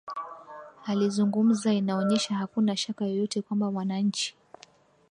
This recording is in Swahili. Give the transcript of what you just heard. akizungumza inaonyesha hakuna shaka yoyote kwamba wananchi